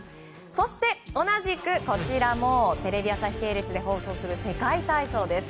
そして、同じくこちらもテレビ朝日系列で放送する世界体操です。